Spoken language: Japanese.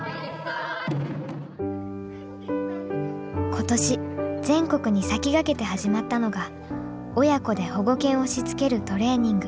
今年全国に先駆けて始まったのが親子で保護犬をしつけるトレーニング。